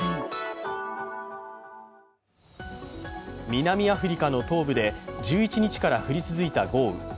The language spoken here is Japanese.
南アフリカの東部で１１日から降り続いた豪雨。